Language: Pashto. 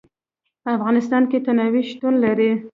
په افغانستان کې تنوع شتون لري.